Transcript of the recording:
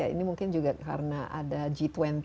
ini mungkin juga karena ada g dua puluh